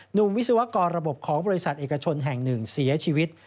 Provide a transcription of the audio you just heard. วิศวกรระบบของบริษัทเอกชนแห่งหนึ่งเสียชีวิต